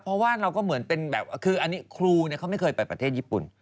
เพราะว่าเราก็เหมือนเป็นแบบคืออันนี้ครูเขาไม่เคยไปประเทศญี่ปุ่น